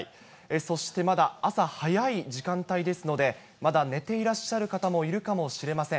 そしてまだ朝早い時間帯ですので、まだ寝ていらっしゃる方もいるかもしれません。